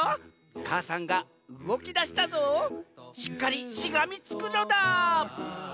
母山がうごきだしたぞしっかりしがみつくのだ！